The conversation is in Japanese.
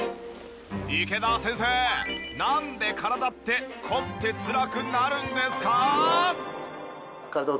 池田先生なんで体って凝ってつらくなるんですか？